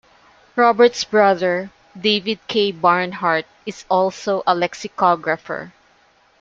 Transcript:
Robert's brother David K. Barnhart is also a lexicographer.